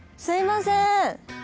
すいません。